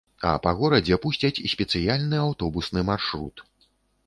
А па горадзе пусцяць спецыяльны аўтобусны маршрут.